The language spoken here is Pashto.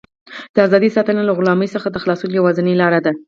د ازادۍ ساتنه له غلامۍ څخه د خلاصون یوازینۍ لاره ده.